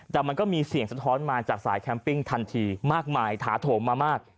แต่มันก็มีเสียงสะท้อนมาจากสายแคมปิ้งทันทีมากมายถาโถมมามาก